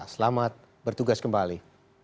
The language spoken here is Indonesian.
selamat bertugas kembali